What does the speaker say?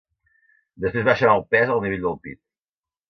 Després baixen el pes al nivell del pit.